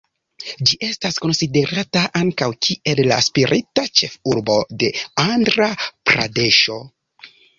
Ĝi estas konsiderata ankaŭ kiel la spirita ĉefurbo de Andra-Pradeŝo.